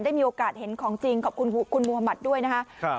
ได้มีโอกาสเห็นของจริงขอบคุณคุณมุธมัติด้วยนะครับ